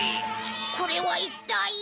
これは一体。